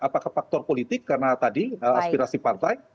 apakah faktor politik karena tadi aspirasi partai